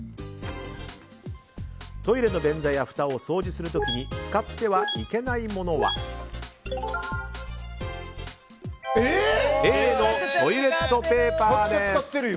トイレの便座やふたを掃除する時に使ってはいけないのはＡのトイレットペーパーです。